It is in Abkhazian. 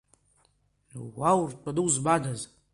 Уа уртәаны узмадаз?!